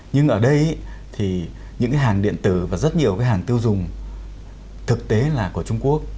nhưng ở đây thì những cái hàng điện tử và rất nhiều cái hàng tiêu dùng thực tế là của trung quốc